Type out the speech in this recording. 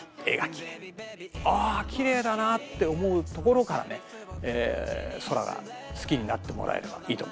あきれいだなって思うところから空が好きになってもらえればいいと思うんですね。